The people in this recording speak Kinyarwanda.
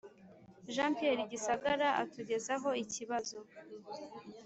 Jean Pierre Gisagara atugezaho ikibazo